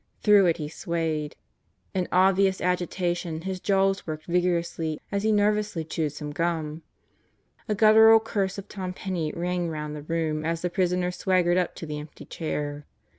Through it he swayed. In obvious agitation his jaws worked vigorously as he nervously chewed some gum. A guttural curse of Tom Penney rang round the room as the prisoner swaggered up to the empty chair.